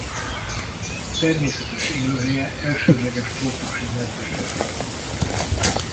A természetes élőhelye elsődleges trópusi nedves erdők.